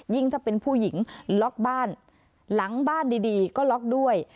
ถ้าเป็นผู้หญิงล็อกบ้านหลังบ้านดีก็ล็อกด้วย